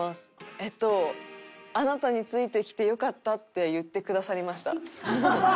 えっと「あなたについてきてよかった」って言ってくださりました。